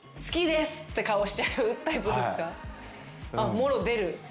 もろ出る？